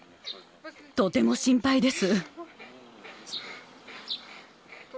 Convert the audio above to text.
とても心配です。